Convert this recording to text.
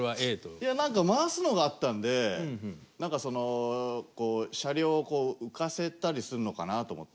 いや何か回すのがあったんで何かその車両を浮かせたりするのかなと思って。